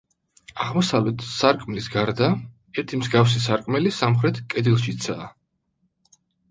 აღმოსავლეთ სარკმლის გარდა, ერთი მსგავსი სარკმელი სამხრეთ კედელშიცაა.